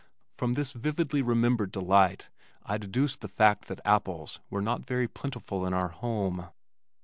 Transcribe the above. From this vividly remembered delight, I deduce the fact that apples were not very plentiful in our home.